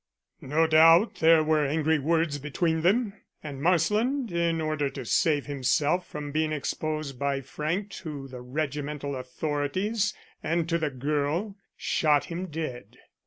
"No doubt there were angry words between them; and Marsland, in order to save himself from being exposed by Frank to the regimental authorities, and to the girl, shot him dead.